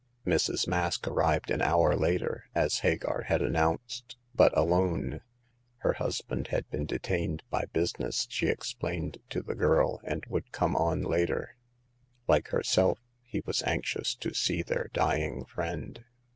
Mrs. Mask arrived an hour later, as Hagar had announced, but alone. Her husband had been detained by business, she explained to the girl, and would come on later. Like herself, he was anxious to see their dying friend.